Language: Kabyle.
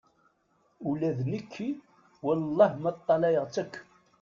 Ula d nekki wellah ma ṭṭalayeɣ-tt akk.